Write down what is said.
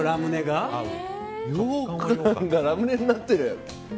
ようかんがラムネになってる！